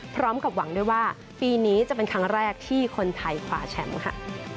พร้อมกับหวังด้วยว่าปีนี้จะเป็นครั้งแรกที่คนไทยขวาแชมป์ค่ะ